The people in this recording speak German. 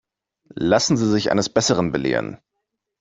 Lassen Sie sich eines Besseren belehren.